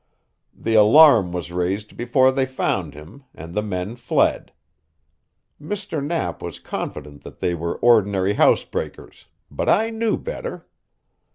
The alarm was raised before they found him, and the men fled. Mr. Knapp was confident that they were ordinary housebreakers, but I knew better.